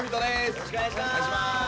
よろしくお願いします。